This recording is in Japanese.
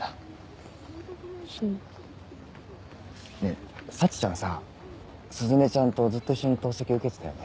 ねぇ沙智ちゃんさ鈴音ちゃんとずっと一緒に透析受けてたよね。